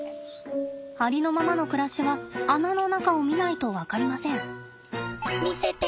ありのままの暮らしは穴の中を見ないと分かりません。